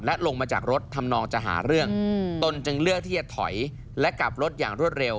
และลงมาจากรถทำนองจะหาเรื่องตนจึงเลือกที่จะถอยและกลับรถอย่างรวดเร็ว